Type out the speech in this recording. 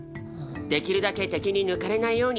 できるだけ敵に抜かれないように。